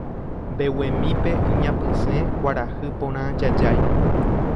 Mbeguemípe iñapysẽ kuarahy porã jajái